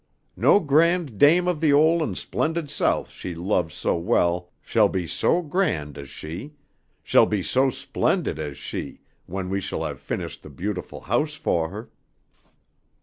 No grand dame of the ole and splendid South she loves so well shall be so grand as she, shall be so splendid as she when we shall have finished the beautiful house fo' her.